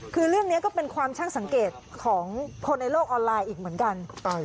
คือเรื่องนี้ก็เป็นความช่างสังเกตของคนในโลกออนไลน์อีกเหมือนกัน